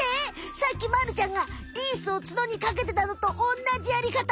さっきまるちゃんがリースを角にかけてたのとおんなじやりかた。